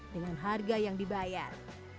dengan harga yang dibayar